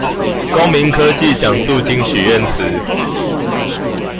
公民科技獎助金許願池